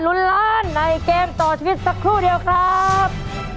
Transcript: ลุ้นล้านในเกมต่อชีวิตสักครู่เดียวครับ